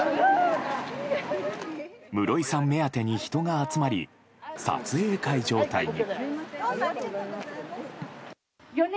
室井さん目当てに人が集まり撮影会状態に。